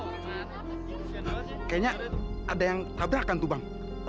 kayaknya ada yang tabrakan tuh bang